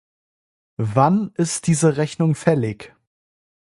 Wann ist diese Rechnung fällig?